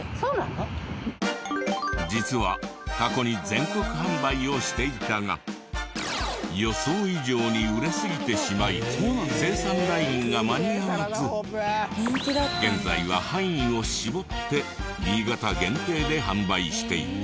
実は過去に全国販売をしていたが予想以上に売れすぎてしまい生産ラインが間に合わず現在は範囲を絞って新潟限定で販売していた。